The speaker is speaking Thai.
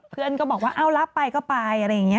เพื่อนก็บอกว่าเอ้ารับไปก็ไปอะไรอย่างนี้